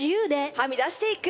はみ出していく。